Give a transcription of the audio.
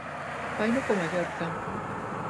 Faino co Mallorca.